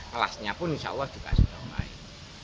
kelasnya pun insya allah juga sudah baik